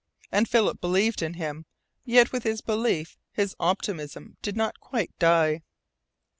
And Philip believed in him. Yet with his belief, his optimism did not quite die.